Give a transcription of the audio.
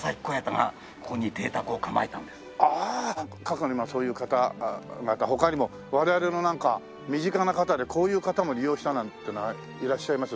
過去にそういう方々他にも我々の身近な方でこういう方も利用したなんてのはいらっしゃいます？